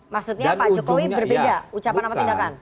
maksudnya pak jokowi berbeda ucapan sama tindakan